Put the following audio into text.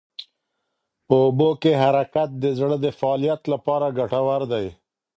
په اوبو کې حرکت د زړه د فعالیت لپاره ګټور دی.